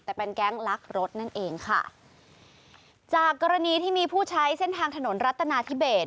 แต่เป็นแก๊งลักรถนั่นเองค่ะจากกรณีที่มีผู้ใช้เส้นทางถนนรัฐนาธิเบส